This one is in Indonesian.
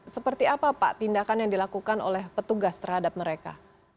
seperti apa pak tindakan yang dilakukan oleh petugas terhadap mereka